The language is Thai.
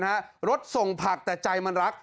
รถส่งผักแต่ใจมันรัก